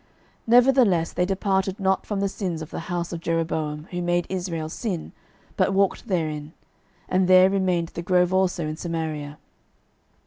12:013:006 Nevertheless they departed not from the sins of the house of Jeroboam, who made Israel sin, but walked therein: and there remained the grove also in Samaria.)